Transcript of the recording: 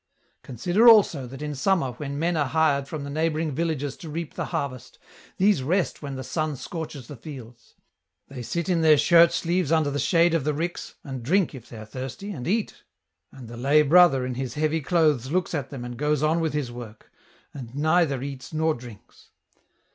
" Consider, also, that in summer when men are hired from the neighbouring villages to reap the harvest, these rest when the sun scorches the fields ; they sit in their shirt sleeves under the shade of the ricks, and drink, if they are thirsty, and eat ; and the lay brother in his heavy clothes looks at them and goes on with his work, and neither cats nor drinks.